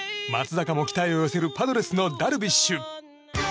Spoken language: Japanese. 松坂も期待を寄せるパドレスのダルビッシュ。